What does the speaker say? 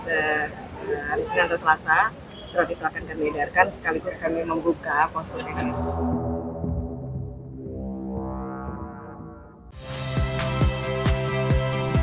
setelah kita akan kemedarkan sekaligus kami membuka pos ke thr